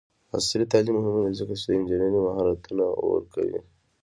عصري تعلیم مهم دی ځکه چې د انجینرۍ مهارتونه ورکوي.